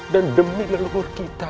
dan demi leluhur kita